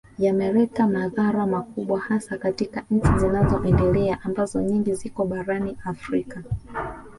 Yameleta madhara makubwa hasa katika nchi zinazoendelea ambazo nyingi ziko barani Afrika